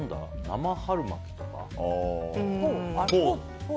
生春巻きとか？